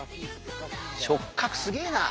触角すげえな！